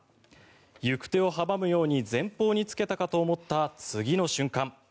行く手を阻むように前方につけたかと思った次の瞬間。